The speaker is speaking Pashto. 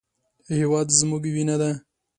هېواد زموږ وینه ده